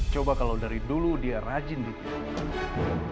coba kalau dari dulu dia rajin dikit